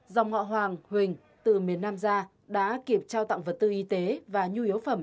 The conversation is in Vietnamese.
dòng ngọ hoàng huỳnh từ miền nam ra đã kịp trao tặng vật tư y tế và nhu yếu phẩm